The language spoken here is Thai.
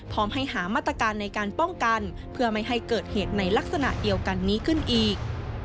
พร้อมให้หามาตรการในการป้องกันเพื่อไม่ให้เกิดเหตุในลักษณะเดียวกันนี้ขึ้นอีก